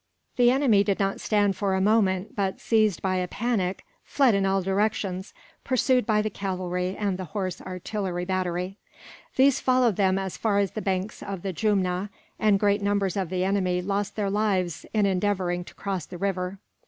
The enemy did not stand for a moment but, seized by a panic, fled in all directions, pursued by the cavalry and the horse artillery battery. These followed them as far as the banks of the Jumna, and great numbers of the enemy lost their lives in endeavouring to cross the river.